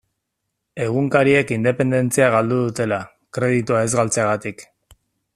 Egunkariek independentzia galdu dutela, kreditua ez galtzegatik.